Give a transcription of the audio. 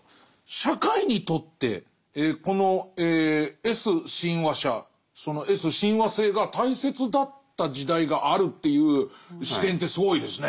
社会にとってこのＳ親和者そのＳ親和性が大切だった時代があるという視点ってすごいですね。